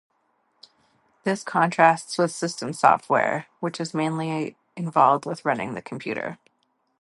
This contrasts with system software, which is mainly involved with running the computer.